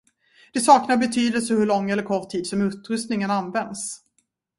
Det saknar betydelse hur lång eller kort tid som utrustningen används.